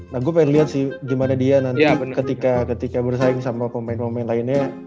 nah gue pengen lihat sih gimana dia nanti ketika bersaing sama pemain pemain lainnya